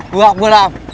vừa học vừa làm